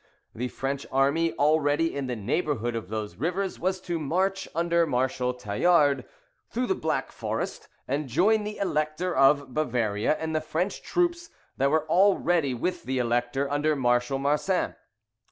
The French army already in the neighbourhood of those rivers was to march under Marshal Tallard through the Black Forest, and join the Elector of Bavaria and the French troops that were already with the Elector under Marshal Marsin.